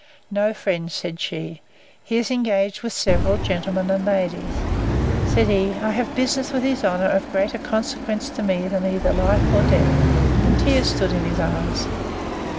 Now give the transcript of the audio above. No, friend, said she; he is engaged with several gentlemen and ladies. Said he, I have business with his honour of greater consequence to me than either life or death; and tears stood in his eyes.